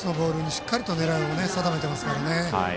しっかり狙いを定めていますね。